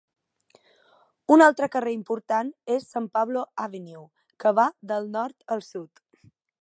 Un altre carrer important és San Pablo Avenue, que va del nord al sud.